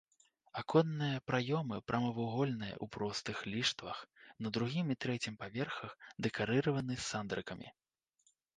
Аконныя праёмы прамавугольныя ў простых ліштвах, на другім і трэцім паверхах дэкарыраваны сандрыкамі.